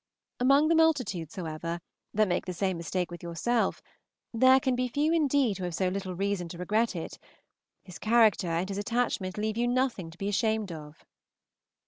Among the multitudes, however, that make the same mistake with yourself, there can be few indeed who have so little reason to regret it; his character and his attachment leave you nothing to be ashamed of.